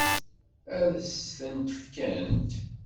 Ad s-tent-fkent?